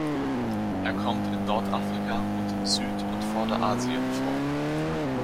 Er kommt in Nordafrika und in Süd- und Vorderasien vor.